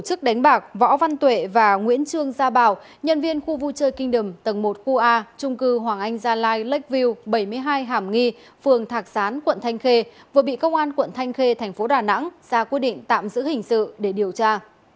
tổ chức đánh bạc võ văn tuệ và nguyễn trương gia bảo nhân viên khu vui chơi kinh đầm tầng một khu a trung cư hoàng anh gia lai blackview bảy mươi hai hàm nghi phường thạc sán quận thanh khê vừa bị công an quận thanh khê thành phố đà nẵng ra quyết định tạm giữ hình sự để điều tra